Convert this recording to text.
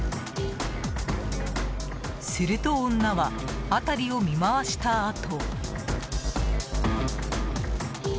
すると、女は辺りを見回したあと。